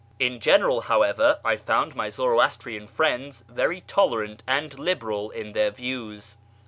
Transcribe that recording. In general, however, I found my Zoroastrian friends very tolerant and liberal in their views.